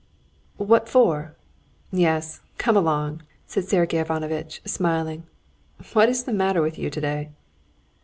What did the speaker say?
"What for? Yes, come along," said Sergey Ivanovitch, smiling. "What is the matter with you today?"